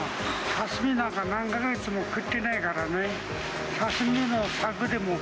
刺身なんか、何か月も食ってないからね。